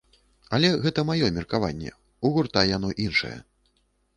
Але гэта маё меркаванне, у гурта яно іншае.